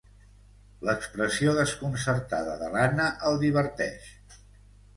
L'expressió desconcertada de l'Anna el diverteix.